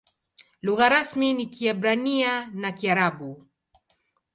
Lugha rasmi ni Kiebrania na Kiarabu.